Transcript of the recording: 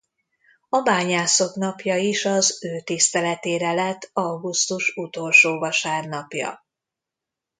A Bányászok Napja is az ő tiszteletére lett augusztus utolsó vasárnapja.